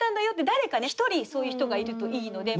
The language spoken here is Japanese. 誰か１人そういう人がいるといいので。